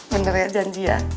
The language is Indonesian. bener ya janji ya